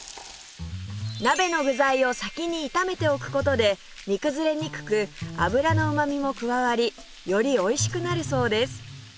鍋の具材を先に炒めておく事で煮崩れにくく油のうまみも加わりよりおいしくなるそうです